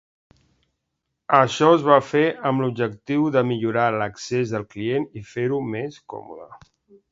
Això es va fer amb l'objectiu de millorar l'accés del client i fer-ho més còmode.